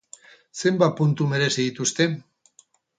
Zenbat puntu merezi dituzte?